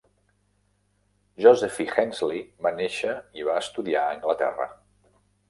Josephy Hensley va néixer i va estudiar a Anglaterra.